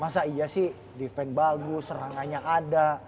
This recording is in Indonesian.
masa iya sih defense bagus serangannya ada